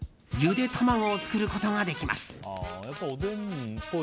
ゆで卵を作ることができます。